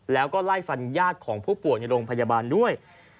แล้วก็ไล่ฟันญาติของผู้ป่วยในโรงพยาบาลด้วย